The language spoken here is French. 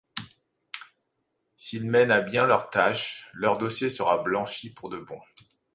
S'ils mènent à bien leur tâche, leur dossier sera blanchi pour de bon.